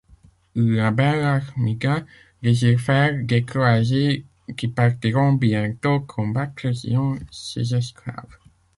La belle Armida désire faire des croisés qui partiront bientôt combattre Sion, ses esclaves.